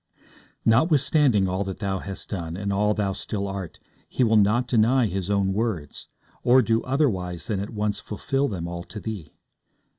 Notwithstanding all that thou hast done, and all thou still art, He will not deny His own words, or do otherwise than at once fulfil them all to thee.